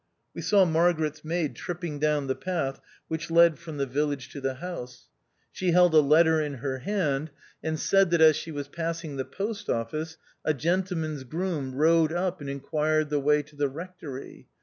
We saw Margaret's maid tripping down the path which led from the village to the house. She held a letter in her hand, and said that as she was passing the post office, a gentleman's groom rode up and in quired the way to the Rectory.